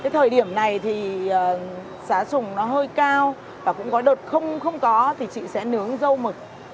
thời điểm này thì giá sùng nó hơi cao và cũng có đợt không có thì chị sẽ nướng dâu mực